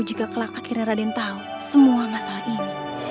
jika kelak akhirnya raden tahu semua masalah ini